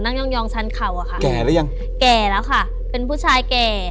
ย่องชั้นเข่าอะค่ะแก่หรือยังแก่แล้วค่ะเป็นผู้ชายแก่